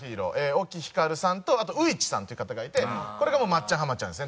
沖ヒカルさんとあとういちさんっていう方がいてこれが松ちゃん浜ちゃんですね。